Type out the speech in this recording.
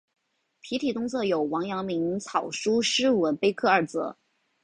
碑体东侧有王阳明草书诗文碑刻二则。